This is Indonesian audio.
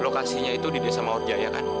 lokasinya itu di desa mawarja ya kan